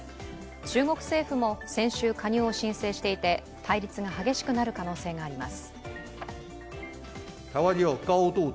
中国政府も先週加入を申請していて対立が激しくなる可能性があります。